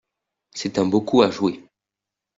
C'est un beau coup à jouer.